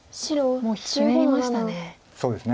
もうひねりましたね。